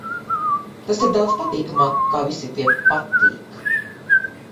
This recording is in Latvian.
Tas ir daudz patīkamāk, kā visi tie "Patīk".